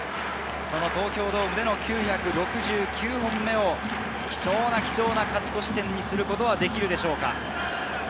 その東京ドームでの９６９本目を貴重な勝ち越し点にすることができるでしょうか。